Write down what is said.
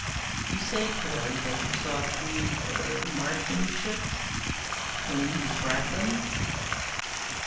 "You say, Corelli, that you saw three er, Martian ships. Can you describe them?"